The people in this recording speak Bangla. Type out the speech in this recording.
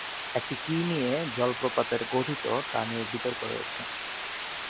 একটি কি নিয়ে জলপ্রপাতের গঠিত তা নিয়ে বিতর্ক রয়েছে।